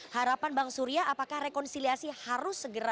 harapan bang surya apakah rekonsiliasi harus segera